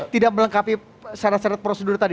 tidak melengkapi syarat syarat prosedur tadi